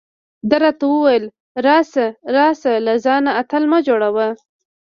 ده راته وویل: راشه راشه، له ځانه اتل مه جوړه.